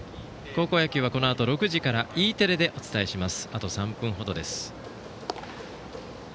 高校野球はこのあと６時からＥテレでお伝えします。